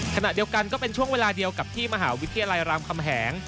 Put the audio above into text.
ขณะเดียวกันก็เป็นช่วงเวลาเดียวกับที่มหาวิทยาลัยรามคำแหง